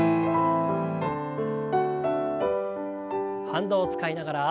反動を使いながら。